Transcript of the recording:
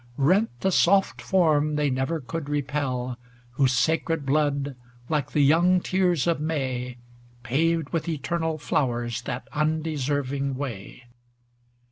Rent the soft Form they never could repel, Whose sacred blood, like the young tears of May, Paved with eternal flowers that undeserving way.